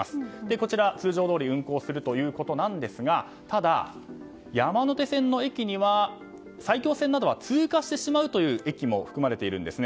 こちらは通常どおり運行するということですがただ、山手線の駅には埼京線などは通過してしまう含まれているんですね。